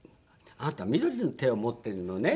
「あなた緑の手を持ってるのね」。